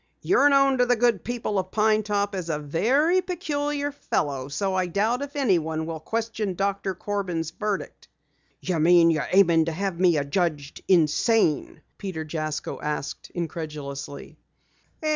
You are known to the good people of Pine Top as a very peculiar fellow, so I doubt if anyone will question Doctor Corbin's verdict." "You mean, you're aimin' to have me adjudged insane?" Peter Jasko asked incredulously.